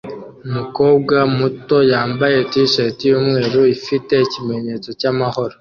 Umukobwa muto yambaye T-shirt yumweru ifite ikimenyetso cyamahoro